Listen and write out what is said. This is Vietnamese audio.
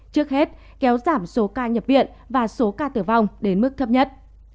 trước hết kéo giảm số ca nhập viện và số ca tử vong đến mức thấp nhất